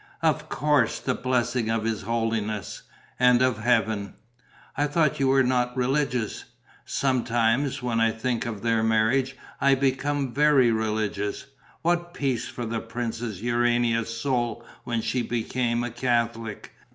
"Of course: the blessing of his holiness ... and of Heaven." "I thought you were not religious?" "Sometimes, when I think of their marriage, I become very religious. What peace for the Princess Urania's soul when she became a Catholic!